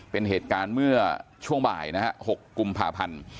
เป็นเหตุการณ์เมื่อช่วงบ่ายนะฮะ๖กุมภาพันธ์